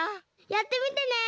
やってみてね！